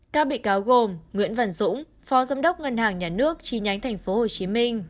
các bị cáo gồm nguyễn văn dũng phó giám đốc ngân hàng nhà nước tp hcm